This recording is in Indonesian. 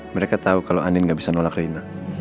mereka tahu kalau anin gak bisa nolak reina